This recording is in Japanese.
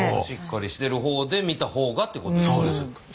しっかりしてるほうで見たほうがってことですね。